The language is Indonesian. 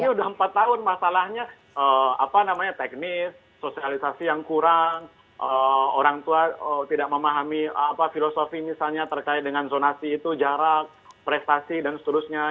ini sudah empat tahun masalahnya apa namanya teknis sosialisasi yang kurang orang tua tidak memahami filosofi misalnya terkait dengan zonasi itu jarak prestasi dan seterusnya